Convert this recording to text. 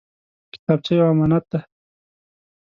کتابچه یو امانت دی